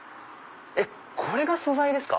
これが素材ですか？